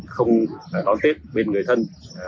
không đón tết bên người thân